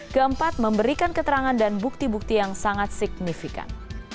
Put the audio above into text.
keempat memberikan keterangan dan bukti bukti yang sangat signifikan